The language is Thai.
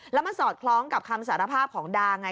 แล้วมันสอดคล้องกับคำสารภาพของดาไง